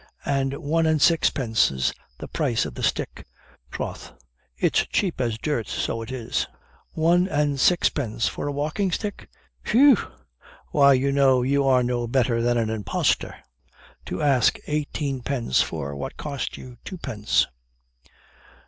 and one and sixpence's the price of the stick. Troth, it's chape as dirt so it is." "One and sixpence for a walking stick? whew! why, you are know no better than an impostor, to ask eighteen pence for what cost you twopence."